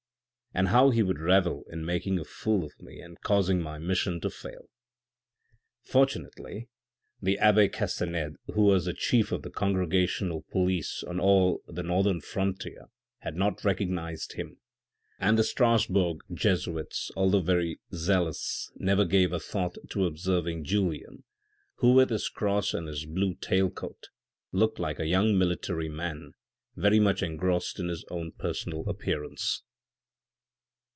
. And how he would revel in making a fool of me, and causing my mission to fail." Fortunately the Abbe Castanede, who was chief of the 400 THE RED AND THE BLACK congregational police on all the northern frontier had not recognised him. And the Strasbourg Jesuits, although very zealous, never gave a thought to observing Julien, who with his cross and his blue tail coat looked like a young military man, very much engrossed in his own personal appearance.